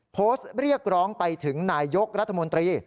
โพสต์เรียกร้องไปถึงนายยกรัฐมนตรี